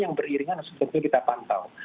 yang beriringan sebetulnya kita pantau